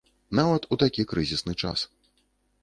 Нават у такі крызісны час.